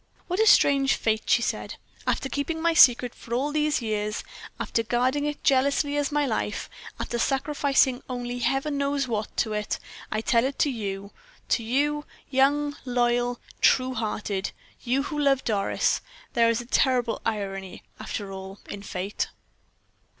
"What a strange fate!" she said. "After keeping my secret for all these years after guarding it jealously as my life after sacrificing only Heaven knows what to it I tell it to you, to you, young, loyal, true hearted you who love Doris! There is a terrible irony, after all, in fate!"